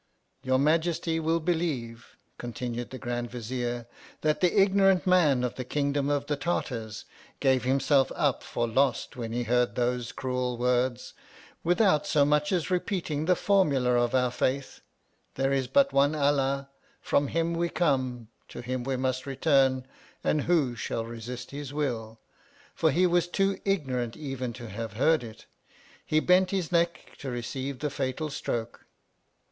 Your Majesty will believe (continued the Grand Vizier) that the ignorant man of the kingdom of the Tartars, gave himself up for lost when he heard those cruel words. With out so much as repeating the formula of our faith — There is but one Allah, from him we come, to him we must return, and who shall resist his will (for he was too ignorant even to have heard it), he bent his neck to receive the fatal stroke.